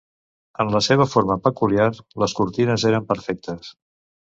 En la seva forma peculiar, les cortines eren perfectes.